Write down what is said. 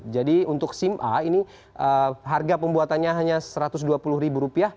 jadi untuk sim a ini harga pembuatannya hanya rp satu ratus dua puluh